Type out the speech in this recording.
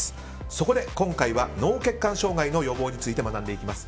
そこで今回は脳血管障害の予防について学んでいきます。